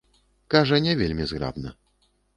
Кажа не вельмі зграбна.